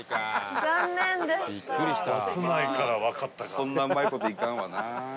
そんなうまい事いかんわな。